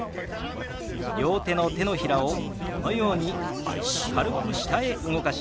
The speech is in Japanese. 両手の手のひらをこのように軽く下へ動かします。